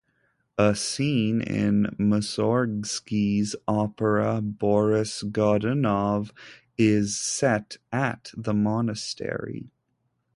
A scene in Mussorgsky's opera "Boris Godunov" is set at the monastery.